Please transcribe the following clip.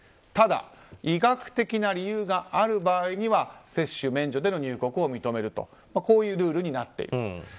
ただ医学的な理由がある場合には接種免除での入国を認めるとこういうルールになっていると。